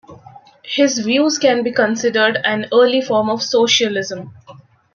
His views can be considered an early form of socialism.